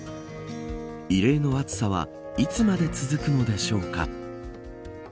異例の暑さはいつまで続くのでしょうか。